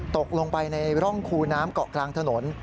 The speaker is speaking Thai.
ตกลงไปในร่องคูน้ำเกาะกลางถนน